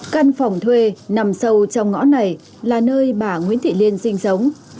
căn phòng thuê nằm sâu trong ngõ này là nơi bà nguyễn thị liên sinh sống